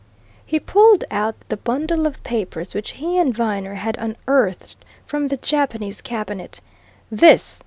He pulled out the bundle of letters which he and Viner had unearthed from the Japanese cabinet. "This!